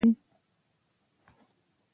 په لویو کلیو کې ممکن د پیسو ټیلیفون شتون ولري